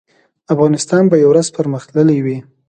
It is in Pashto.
افغانستان به یو ورځ پرمختللی وي